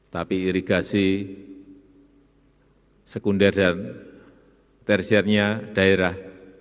tapi irigasi sekunder dan tersiernya daerah